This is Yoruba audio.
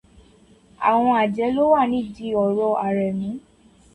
Àwọn àjẹ́ ló wà nídí ọ̀rọ̀ Àrẹ̀mú.